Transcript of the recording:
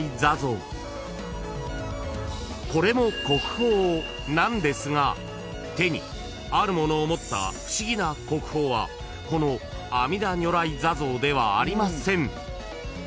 ［これも国宝なんですが手にあるものを持った不思議な国宝はこの阿弥陀如来坐像ではありません］